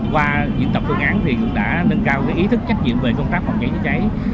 qua diễn tập phương án chúng ta đã nâng cao ý thức trách nhiệm về công tác phòng chạy cháy